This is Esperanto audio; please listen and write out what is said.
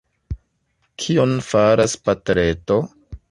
Kion faras patreto?